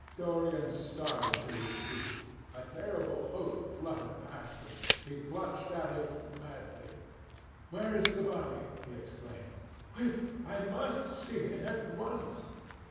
Dorian started to his feet. A terrible hope fluttered past him. He clutched at it madly. "Where is the body?" he exclaimed. "Quick! I must see it at once."